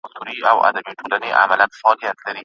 چي د کڼو غوږونه وپاڅوي